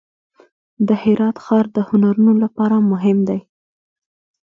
د هرات ښار د هنرونو لپاره مهم دی.